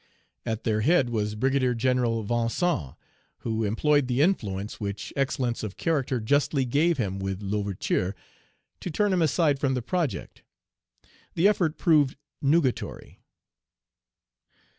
At their head was Brigadier General Vincent, who employed the influence which excellence of character justly gave him with L'Ouverture to turn him aside from the project. The effort proved nugatory.